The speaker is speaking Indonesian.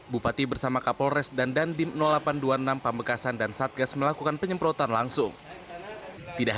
bupati bersama kapolres dan dandim delapan ratus dua puluh enam pamekasan dan satgas melakukan penyemprotan langsung tidak